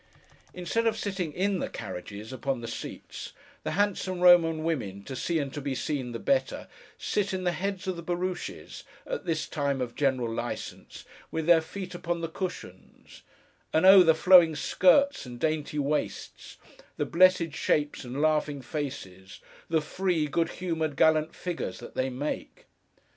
Instead of sitting in the carriages, upon the seats, the handsome Roman women, to see and to be seen the better, sit in the heads of the barouches, at this time of general licence, with their feet upon the cushions—and oh, the flowing skirts and dainty waists, the blessed shapes and laughing faces, the free, good humoured, gallant figures that they make!